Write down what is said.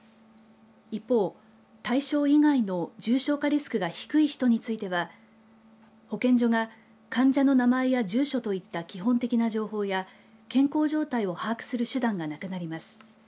一方、対象以外の重症化リスクが低い人については保健所が患者の名前や住所といった基本的な情報や健康状態を把握する手段がなくなります。